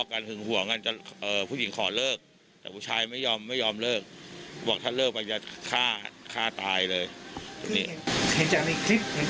เหมือนคนก่อผิดกันรับบาดเจ็บหนักก่อนคนโดนแทงหนึ่ง